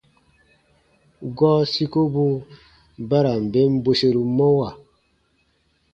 Gɔɔ sikobu ba ra n ben bweseru mɔwa.